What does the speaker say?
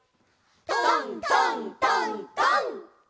トントントントン！